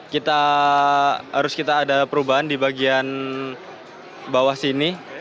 kita harus kita ada perubahan di bagian bawah sini